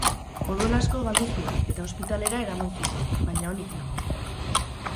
Odol asko galdu zuen eta ospitalera eraman zuten, baina onik dago.